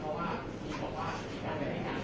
แต่ว่าไม่มีปรากฏว่าถ้าเกิดคนให้ยาที่๓๑